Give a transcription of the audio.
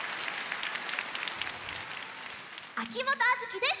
秋元杏月です。